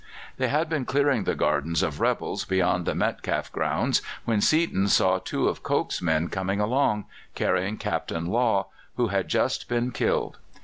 They had been clearing the gardens of rebels beyond the Metcalfe grounds when Seaton saw two of Coke's men coming along, carrying Captain Law, who had just been killed.